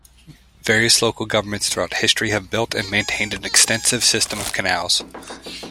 Various local governments throughout history have built and maintained an extensive system of canals.